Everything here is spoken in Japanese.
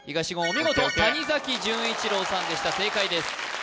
見事谷崎潤一郎さんでした正解です